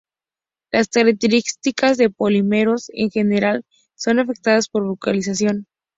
Las características de los polímeros, en general, son afectadas por su vulcanización.